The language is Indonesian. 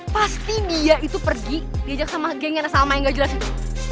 pasti dia itu pergi diajak sama geng yang ada salma yang gak jelas itu